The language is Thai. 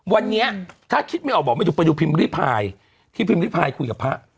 วันนี้ถ้าคิดไม่ออกบอกไม่ถูกไปดูพิมพ์ริพายที่พิมพ์ริพายคุยกับพระ